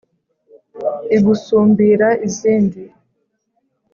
Igusumbira izindi